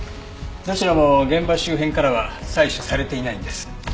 どちらも現場周辺からは採取されていないんです。